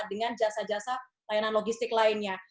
dengan jasa jasa layanan logistik lainnya